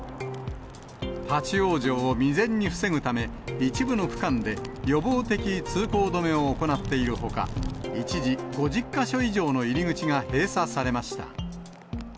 立往生を未然に防ぐため、一部の区間で予防的通行止めを行っているほか、一時、５０か所以上の入り口が閉鎖されました。